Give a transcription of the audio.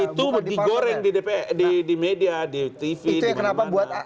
itu digoreng di media di tv di mana mana